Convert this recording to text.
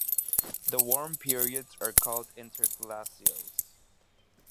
The warm periods are called "interglacials".